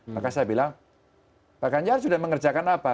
maka saya bilang pak ganjar sudah mengerjakan apa